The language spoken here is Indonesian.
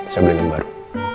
saya beli nomor baru